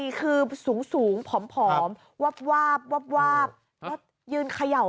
ยืนแค่งอะไรอยู่อะครับ